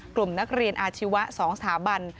กลุ่มนักเรียนอาชีวะ๒สถาบัน